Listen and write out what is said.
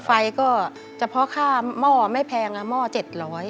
ไฟก็เฉพาะค่าหม้อไม่แพงหม้อ๗๐๐บาท